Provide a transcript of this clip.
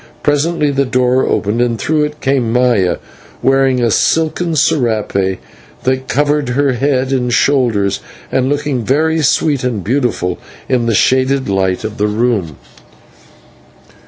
Presently the door opened, and through it came Maya, wearing a silken /serape/ that covered her head and shoulders, and looking very sweet and beautiful in the shaded light of the room.